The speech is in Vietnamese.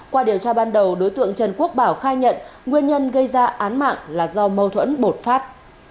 qua điều tra ban đầu đối tượng trần quốc bảo khai nhận nguyên nhân gây ra án mạng là do mâu thuẫn bột phát